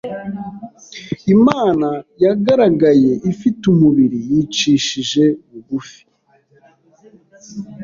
Imana yagaragaye ifite umubiri. Yicishije bugufi.